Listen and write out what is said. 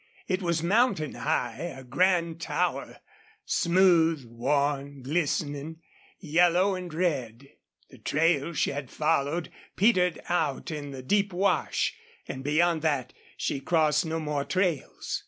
It was mountain high a grand tower smooth, worn, glistening, yellow and red. The trail she had followed petered out in a deep wash, and beyond that she crossed no more trails.